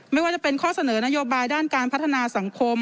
ไม่ว่าจะเป็นข้อเสนอนโยบายด้านการพัฒนาสังคม